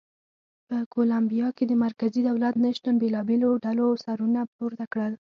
په کولمبیا کې د مرکزي دولت نه شتون بېلابېلو ډلو سرونه پورته کړل.